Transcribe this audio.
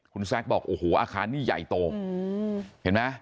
คุณแซคบอกโอ้โหอาคารนี้ใหญ่โตเห็นไหม